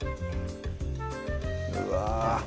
うわ